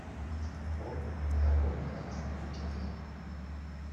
por la borda hace mucho tiempo.